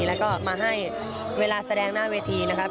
และก็มาให้เวลาแสดงหน้าเวที